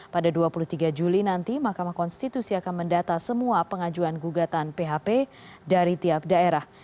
pada dua puluh tiga juli nanti mahkamah konstitusi akan mendata semua pengajuan gugatan php dari tiap daerah